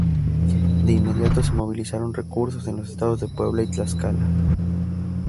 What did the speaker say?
De inmediato se movilizaron recursos de los estados de Puebla y Tlaxcala.